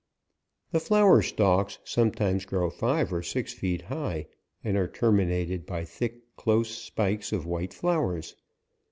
The flower stalks sometimes grow five or six feet high, and are terminated by thick, close spikes of white flowers.